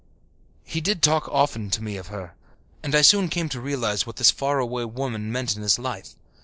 He did talk often to me of her, and I soon came to realize what this far away woman meant in his life.